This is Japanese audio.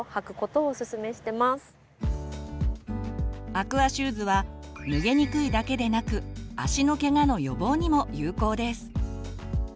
アクアシューズは脱げにくいだけでなく足のケガの予防にも有効です。